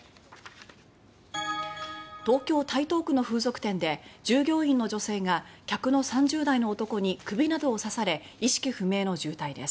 東京・台東区の風俗店で従業員の女性が客の３０代の男に首などを刺され意識不明の重体です。